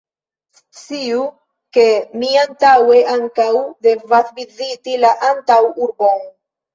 Sciu, ke mi antaŭe ankaŭ devas viziti la antaŭurbon.